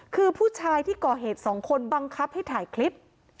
คือผู้ชายที่ก่อเหตุสองคนบังคับให้ถ่ายคลิป